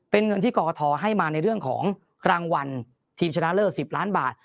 เป็นเงินที่กรกฐให้มาในเรื่องของรางวัลทีมชนะเลิศ๑๐ล้านบาท